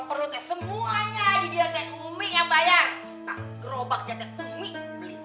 dua porsi bang ojo